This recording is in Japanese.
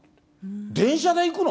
電車で行くの？